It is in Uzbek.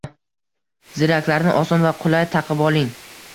Ziraklarni oson va qulay taqib oling.